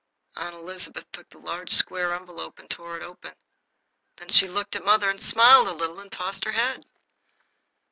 Aunt Elizabeth took the large, square envelope and tore it open. Then she looked at mother and smiled a little and tossed her head.